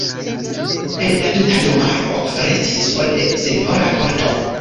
El la tuta domaro restis sole senjora korto.